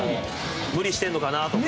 無理してるのかなとか。